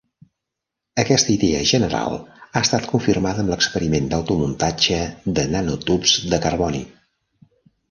Aquesta idea general ha estat confirmada amb l'experiment d'automuntatge de nanotubs de carboni.